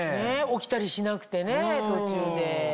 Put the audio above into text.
起きたりしなくてね途中で。